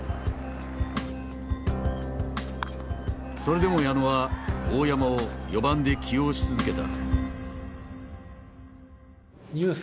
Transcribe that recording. それでも矢野は大山を４番で起用し続けた。